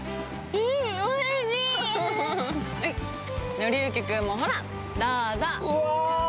うわ！